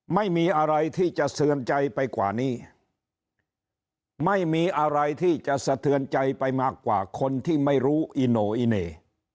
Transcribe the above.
ไม่มีอะไรที่จะเตือนใจไปกว่านี้ไม่มีอะไรที่จะสะเทือนใจไปมากกว่าคนที่ไม่รู้อิโนอิเน่